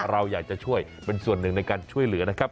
เราอยากจะช่วยเป็นส่วนหนึ่งในการช่วยเหลือนะครับ